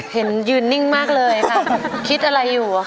เห็นยืนนิ่งมากเลยค่ะ